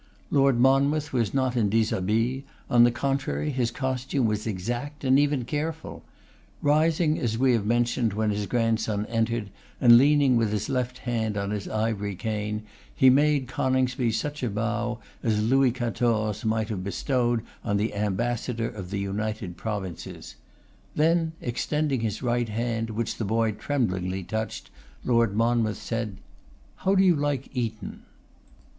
Lord Monmouth was not in dishabille; on the contrary, his costume was exact, and even careful. Rising as we have mentioned when his grandson entered, and leaning with his left hand on his ivory cane, he made Coningsby such a bow as Louis Quatorze might have bestowed on the ambassador of the United Provinces. Then extending his right hand, which the boy tremblingly touched, Lord Monmouth said: 'How do you like Eton?